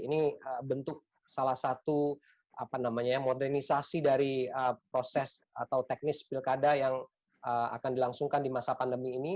ini bentuk salah satu modernisasi dari proses atau teknis pilkada yang akan dilangsungkan di masa pandemi ini